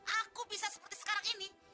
aku bisa seperti sekarang ini